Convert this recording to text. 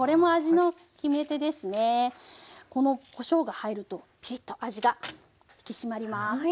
このこしょうが入るとピリッと味が引き締まります。